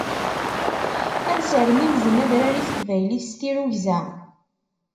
Ad sermimzen adrar i taqbaylit s tirugza.